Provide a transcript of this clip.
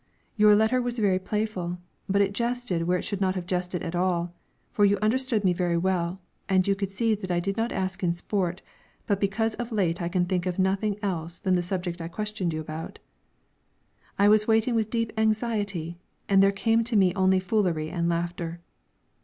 Your letter was very playful, but it jested where it should not have jested at all, for you understood me very well, and you could see that I did not ask in sport, but because of late I can think of nothing else than the subject I questioned you about. I was waiting in deep anxiety, and there came to me only foolery and laughter.